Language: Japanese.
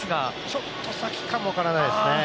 ちょっと先かも分からないですね。